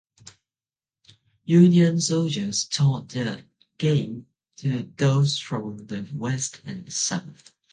Union soldiers taught the game to those from the West and South.